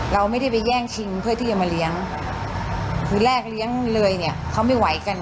เราไม่ได้ไปแย่งชิงเพื่อที่จะมาเลี้ยงคือแรกเลี้ยงเลยเนี่ยเขาไม่ไหวกัน